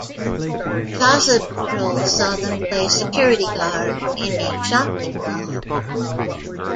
"Plaza Patrol" saw them play security guards in a shopping mall.